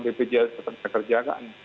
dalam bpjs yang bekerja kan